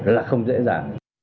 rất là không dễ dàng